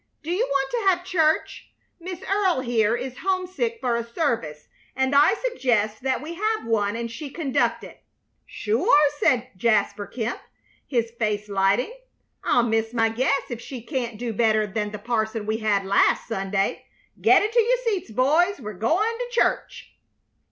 Do you want to have church? Miss Earle here is homesick for a service, and I suggest that we have one, and she conduct it." "Sure!" said Jasper Kemp, his face lighting. "I'll miss my guess if she can't do better than the parson we had last Sunday. Get into your seats, boys; we're goin' to church."